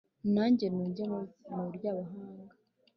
nange nunge mu ry’abahanga